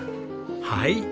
はい。